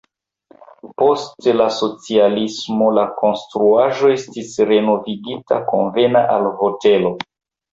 Post la socialismo la konstruaĵo estis renovigita konvena al hotelo.